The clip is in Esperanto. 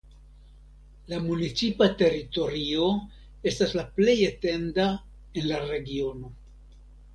La municipa teritorio estas la plej etenda en la regiono.